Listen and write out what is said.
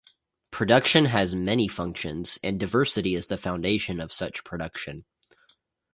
Production has many functions, and diversity is the foundation of such production.